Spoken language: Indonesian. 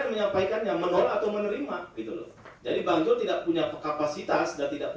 bahwa menyimpulkan fraksi yang juga menolak fraksi yang juga menerima tidak